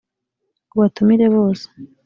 ubatumire bose.